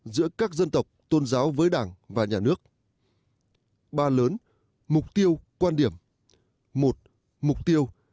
một mục tiêu